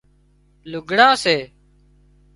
لُگھڙان سي